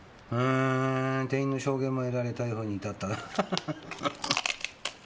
「店員の証言も得られ逮捕に至った」